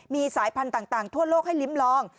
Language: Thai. มีสายพันธุ์ต่างทั่วโลกให้ลิ้มลอง